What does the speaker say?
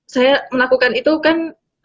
saya melakukan itu kan